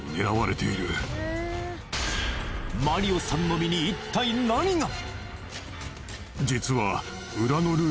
マリオさんの身に一体何が？